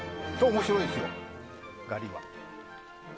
面白いですよ、ガリは。